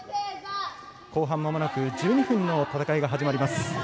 後半まもなく１２分の戦いが始まります。